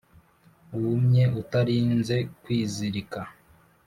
wumye utarinze kwizirika.